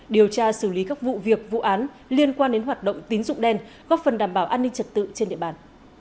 điều tra xử lý các vụ việc vụ án liên quan đến hoạt động tín dụng đen góp phần đảm bảo an ninh trật tự trên địa bàn